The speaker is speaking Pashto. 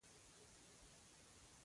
که نارینه سره چا بد وکړل هیروي یې.